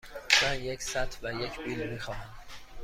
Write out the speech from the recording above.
من یک سطل و یک بیل می خواهم.